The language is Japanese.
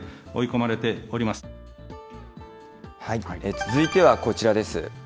続いてはこちらです。